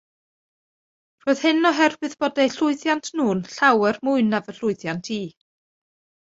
Roedd hyn oherwydd bod eu llwyddiant nhw'n llawer mwy na fy llwyddiant i.